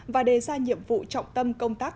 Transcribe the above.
và đề ra nhiệm vụ trọng tâm công tác